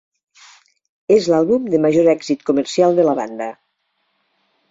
Es l'àlbum de major èxit comercial de la banda.